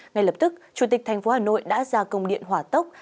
ngay lập tức chủ tịch tp hà nội đã ra công điện hỏa tốc